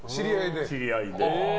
知り合いで。